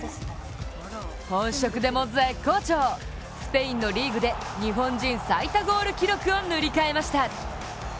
本職でも絶好調、スペインのリーグで日本人最多ゴール記録を塗り替えました。